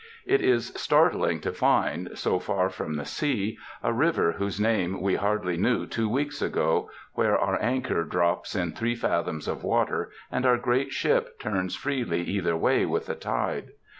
It is startling to find, so far from the sea, a river whose name we hardly knew two weeks ago, where our anchor drops in three fathoms of water and our great ship turns freely either way with the tide.